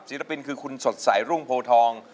ปินคือคุณสดใสรุ่งโพทอง